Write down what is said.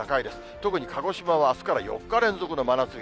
特に鹿児島はあすから４日連続の真夏日。